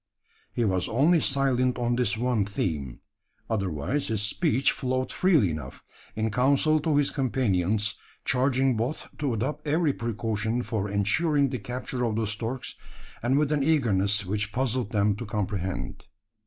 He was only silent on this one theme. Otherwise his speech flowed freely enough in counsel to his companions charging both to adopt every precaution for ensuring the capture of the storks and with an eagerness, which puzzled them to comprehend.